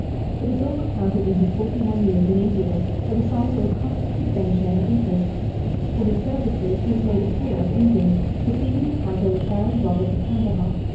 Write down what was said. It is all recounted in his "Forty One Years in India" a recital of constant adventure and interest. For his services, he was made a peer of England, receiving the title of Baron Roberts of Kandahar.